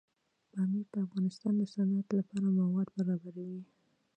پامیر د افغانستان د صنعت لپاره مواد برابروي.